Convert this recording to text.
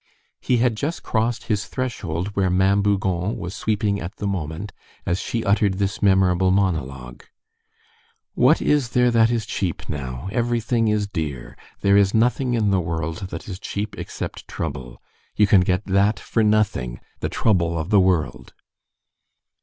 He had just crossed his threshold, where Ma'am Bougon was sweeping at the moment, as she uttered this memorable monologue:— "What is there that is cheap now? Everything is dear. There is nothing in the world that is cheap except trouble; you can get that for nothing, the trouble of the world!"